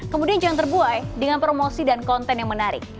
kemudian jangan terbuai dengan promosi dan konten yang menarik